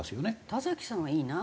田さんはいいな。